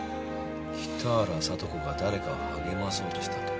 北原さと子が誰かを励まそうとしたと？